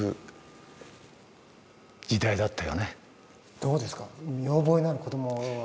どうですか見覚えのある子どもは？